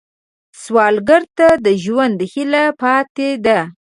سوالګر ته د ژوند هیله پاتې ده